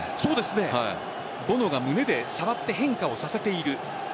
ボノが胸で触って変化をさせている。